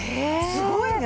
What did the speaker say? すごいね。